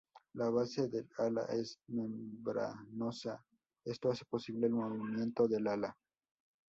La base del ala es membranosa, esto hace posible el movimiento del ala.